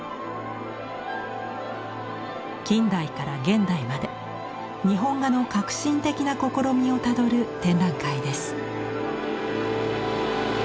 近代から現代まで日本画の革新的な試みをたどる展覧会です。